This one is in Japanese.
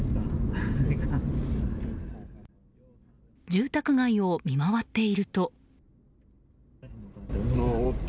住宅街を見回っていると。